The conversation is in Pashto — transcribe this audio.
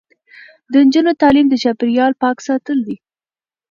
د نجونو تعلیم د چاپیریال پاک ساتل دي.